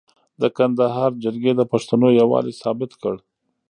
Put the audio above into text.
د کندهار جرګې د پښتنو یووالی ثابت کړ.